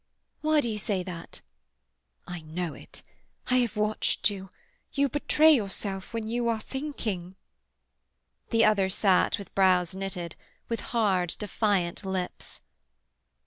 "Why do you say that?" "I know it. I have watched you. You betray yourself when you are thinking." The other sat with brows knitted, with hard, defiant lips.